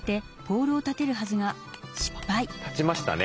立ちましたね。